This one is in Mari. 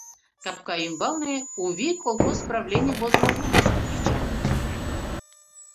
Капка ӱмбалне «У вий» колхоз правлений возымо вывеска кеча.